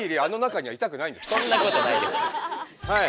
はい。